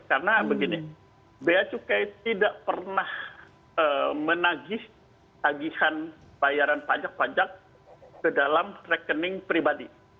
karena begini biacukai tidak pernah menagih tagihan bayaran pajak pajak ke dalam rekening pribadi